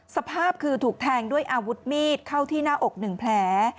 สภาพคือถูกแทงด้วยอาวุธมีดเข้าที่หน้าอก๑แผล